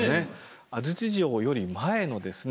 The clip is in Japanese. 安土城より前のですね